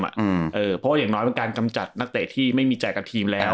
เพราะว่าอย่างน้อยเป็นการกำจัดนักเตะที่ไม่มีแจกกับทีมแล้ว